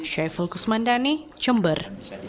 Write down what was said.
syafil kusmandani jember